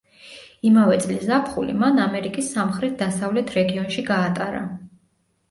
იმავე წლის ზაფხული მან ამერიკის სამხრეთ-დასავლეთ რეგიონში გაატარა.